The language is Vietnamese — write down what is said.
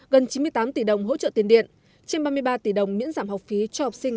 gần chín mươi tám tỷ đồng hỗ trợ tiền điện trên ba mươi ba tỷ đồng miễn giảm học phí cho học sinh